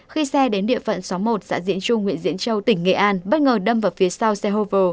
khi xe đến địa phận số một xã diễn trung nguyễn diễn châu tỉnh nghệ an bất ngờ đâm vào phía sau xe hô u